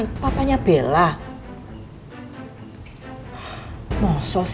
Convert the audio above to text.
ini pilih tau siapa sih deles teroris